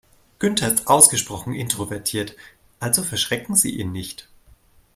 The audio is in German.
Günther ist ausgesprochen introvertiert, also verschrecken Sie ihn nicht.